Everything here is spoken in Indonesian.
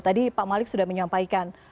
tadi pak malik sudah menyampaikan